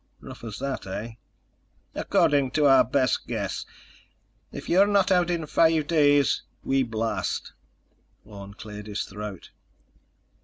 "Rough as that, eh?" "According to our best guess. If you're not out in five days, we blast." Orne cleared his throat.